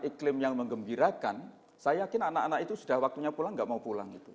iklim yang mengembirakan saya yakin anak anak itu sudah waktunya pulang gak mau pulang itu